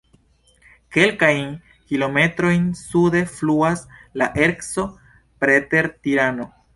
Kelkajn kilometrojn sude fluas la Erco preter Tirano.